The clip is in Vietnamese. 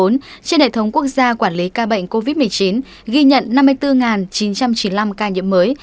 trên hệ thống quốc gia quản lý ca bệnh covid một mươi chín ghi nhận năm mươi bốn chín trăm chín mươi năm ca nhiễm mới